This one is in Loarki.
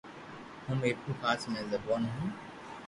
ھون ميرپورخاص مي ريون هون